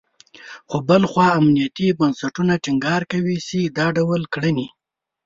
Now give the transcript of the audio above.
خو بل خوا امنیتي بنسټونه ټینګار کوي، چې دا ډول کړنې …